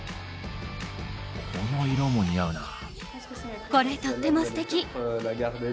この色も似合うなあ。